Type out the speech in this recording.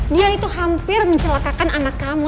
dia itu hampir mencelakakan anak kamu